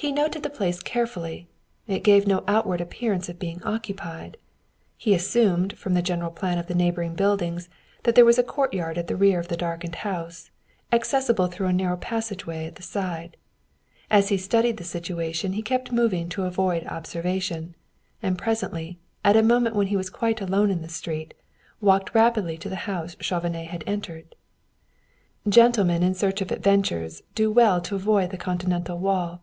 He noted the place carefully; it gave no outward appearance of being occupied. He assumed, from the general plan of the neighboring buildings, that there was a courtyard at the rear of the darkened house, accessible through a narrow passageway at the side. As he studied the situation he kept moving to avoid observation, and presently, at a moment when he was quite alone in the street, walked rapidly to the house Chauvenet had entered. Gentlemen in search of adventures do well to avoid the continental wall.